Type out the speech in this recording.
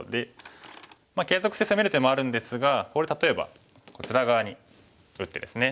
継続して攻める手もあるんですがここで例えばこちら側に打ってですね。